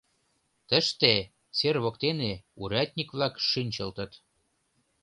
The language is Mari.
Тыште, сер воктене, урядник-влак шинчылтыт.